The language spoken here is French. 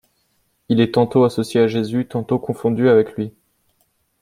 Il y est tantôt associé à Jésus, tantôt confondu avec lui.